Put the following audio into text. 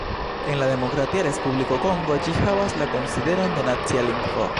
En la Demokratia Respubliko Kongo ĝi havas la konsideron de "nacia lingvo".